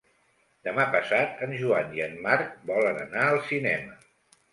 Demà passat en Joan i en Marc volen anar al cinema.